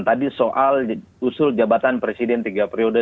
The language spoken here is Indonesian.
tadi soal usul jabatan presiden tiga periode